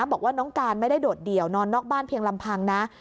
บอกว่าน้องการไม่ได้โดดเดี่ยวนอนนอกบ้านเพียงลำพังนะ